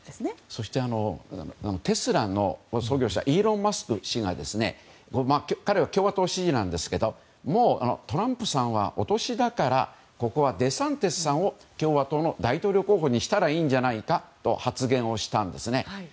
そして、テスラの創業者イーロン・マスク氏が彼は共和党支持ですがトランプさんはお年だからここはデサンティスさんを共和党の大統領候補にしたらいいんじゃないかと発言をしたんですね。